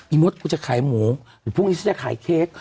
อีมดกูจะขายหมูหรือพรุ่งนี้จะขายเคส